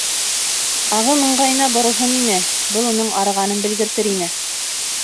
Ағым ыңғайына боролһон ине, был уның арығанын белгертер ине.